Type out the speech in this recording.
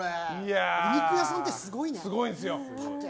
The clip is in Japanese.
お肉屋さんってすごいね。